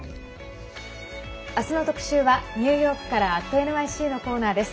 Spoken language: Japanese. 明日の特集はニューヨークから「＠ｎｙｃ」のコーナーです。